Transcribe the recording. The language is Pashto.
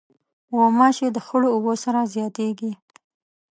غوماشې د خړو اوبو سره زیاتیږي.